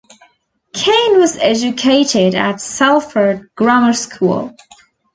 Caine was educated at Salford Grammar School.